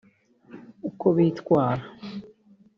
uko bitwara